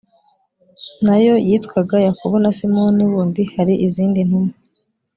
na yo yitwaga yakobo na simoni wundi hari izindi ntumwa